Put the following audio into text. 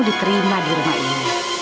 diterima di rumah ini